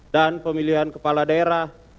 dan pemilihan kepala daerah